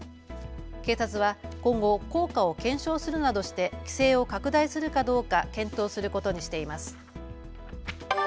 警察は今後、効果を検証するなどして規制を拡大するかどうか検討することにしています。